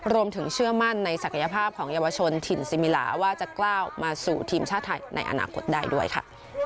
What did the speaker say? เชื่อมั่นในศักยภาพของเยาวชนถิ่นซิมิลาว่าจะก้าวมาสู่ทีมชาติไทยในอนาคตได้ด้วยค่ะ